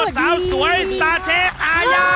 สาวสวยสาวช้ะอายะ